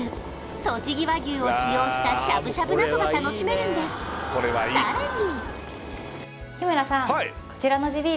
とちぎ和牛を使用したしゃぶしゃぶなどが楽しめるんですさらに